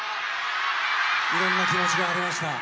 いろんな気持ちがありました。